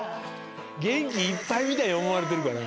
元気いっぱいみたいに思われてるから。